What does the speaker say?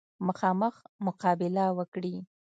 مخامخ مقابله وکړي.